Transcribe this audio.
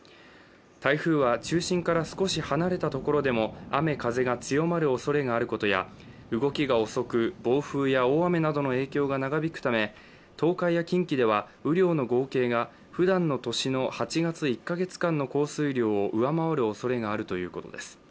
台風は中心から少し離れたところでも雨・風が強まるおそれがあることや動きが遅く暴風や大雨などの影響が長引くため、東海や近畿では雨量の合計が、ふだんの年の８月１か月間の降水量を上回るおそれがあるということです。